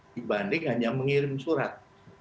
dibanding hanya mengirim surat